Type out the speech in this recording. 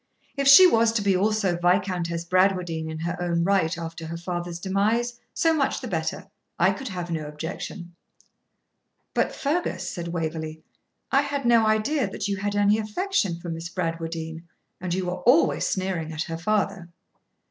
If she was to be also Viscountess Bradwardine in her own right after her father's demise, so much the better; I could have no objection.' 'But, Fergus,' said Waverley, 'I had no idea that you had any affection for Miss Bradwardine, and you are always sneering at her father.'